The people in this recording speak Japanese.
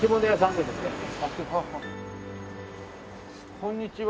こんにちは。